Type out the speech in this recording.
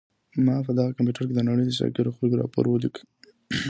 ما په دغه کمپیوټر کي د نړۍ د شاکرو خلکو راپور ولیکلی.